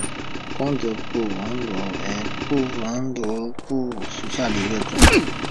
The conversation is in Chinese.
光泽布纹螺为布纹螺科布纹螺属下的一个种。